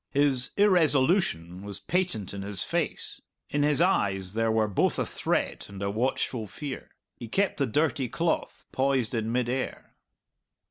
His irresolution was patent in his face; in his eyes there were both a threat and a watchful fear. He kept the dirty cloth poised in mid air.